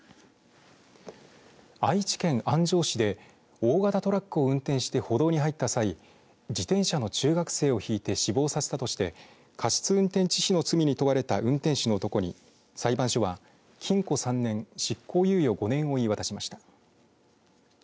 愛知県安城市で大型トラックを運転して歩道に入った際自転車の中学生をひいて死亡させたとして過失運転致死の罪に問われた運転手の男に裁判所は、禁錮３年執行猶予５年を言い渡しました。